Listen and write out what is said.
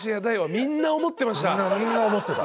みんな思ってた。